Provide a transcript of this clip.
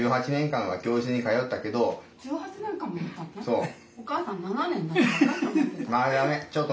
そう。